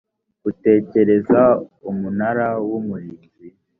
atekereza umunara w umurinzi